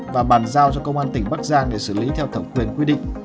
và bàn giao cho công an tỉnh bắc giang để xử lý theo thẩm quyền quy định